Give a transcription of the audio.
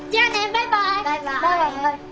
バイバイ！